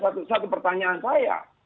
kan itu juga satu pertanyaan saya